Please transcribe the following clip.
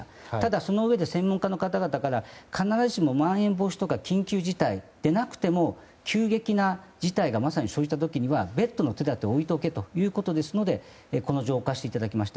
そのうえで専門家の方々から必ずしも、まん延防止とか緊急事態でなくても急激な事態が生じた場合には別途の手立てを置いとけということでこの字を置かせていただきました。